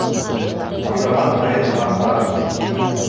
Ашаған һайын арта.